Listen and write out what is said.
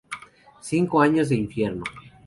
Cinco años de infierno.